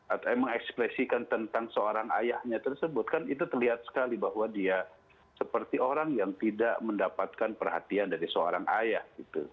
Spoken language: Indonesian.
atau mengekspresikan tentang seorang ayahnya tersebut kan itu terlihat sekali bahwa dia seperti orang yang tidak mendapatkan perhatian dari seorang ayah gitu